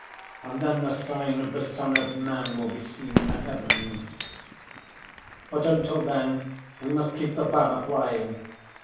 And then the sign of the Son of Man will be seen in the heavens.... But, until then, we must keep the banner flying.